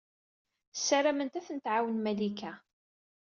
Ssarament ad tent-tɛawen Malika.